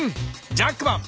ジャックマン。